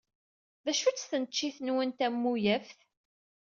D acu-tt tneččit-nwen tamuyaft?